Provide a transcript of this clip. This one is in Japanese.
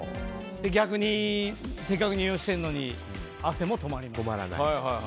逆にせっかく入浴してるのに汗も止まらない。